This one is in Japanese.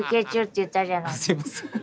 すいません。